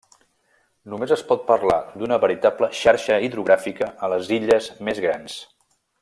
Només es pot parlar d'una veritable xarxa hidrogràfica a les illes més grans.